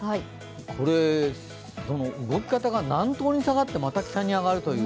これ、動き方が南東に下がって、また北に上がるという。